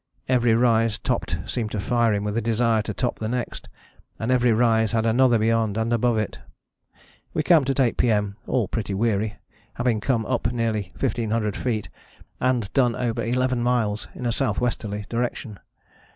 Every rise topped seemed to fire him with a desire to top the next, and every rise had another beyond and above it. We camped at 8 P.M., all pretty weary, having come up nearly 1500 feet, and done over eleven miles in a S.W. direction.